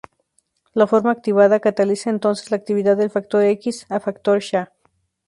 La forma activada cataliza entonces la activación del factor X a factor Xa.